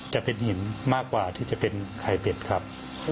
จะเป็นหินมากกว่าที่จะเป็นไข่เป็ดครับ